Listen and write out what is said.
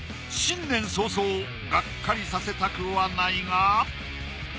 新年早々がっかりさせたくはないが。